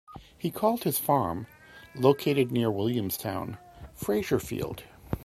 He called his farm, located near Williamstown, Fraserfield.